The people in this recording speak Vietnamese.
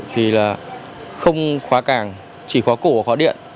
thì là không khóa cảng chỉ khóa cổ hoặc khóa điện